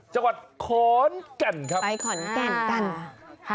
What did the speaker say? จังหวัดขอนแก่นครับไปขอนแก่นกันค่ะ